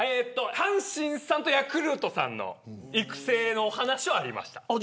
阪神さんとヤクルトさんの育成の話はありました。